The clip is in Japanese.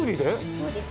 そうです。